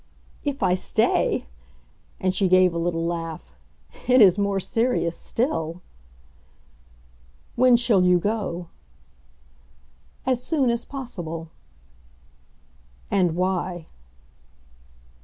"If I stay," and she gave a little laugh, "it is more serious still!" "When shall you go?" "As soon as possible." "And why?"